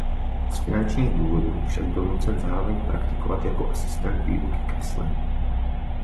Z finančních důvodů však byl nucen zároveň praktikovat jako asistent výuky kreslení.